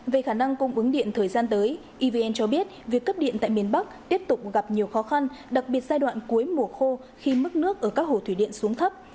về khả năng cung ứng điện thời gian tới evn cho biết việc cấp điện tại miền bắc tiếp tục gặp nhiều khó khăn đặc biệt giai đoạn cuối mùa khô khi mức nước ở các hồ thủy điện xuống thấp